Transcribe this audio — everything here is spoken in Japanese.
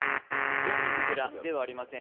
清水寺ではありません。